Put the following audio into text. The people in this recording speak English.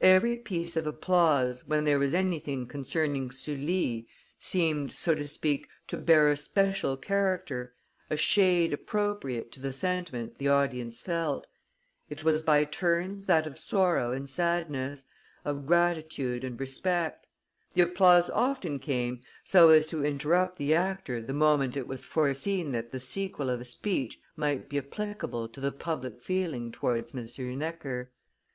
Every piece of applause, when there was anything concerning Sully, seemed, so to speak, to bear a special character, a shade appropriate to the sentiment the audience felt; it was by turns that of sorrow and sadness, of gratitude and respect; the applause often came so as to interrupt the actor the moment it was foreseen that the sequel of a speech might be applicable to the public feeling towards M. Necker.